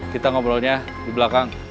kita ngobrolnya di belakang